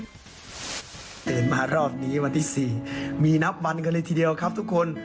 ตื่นมารอบนี้วันที่๔มีนับวันกันเลยทีเดียวครับทุกคน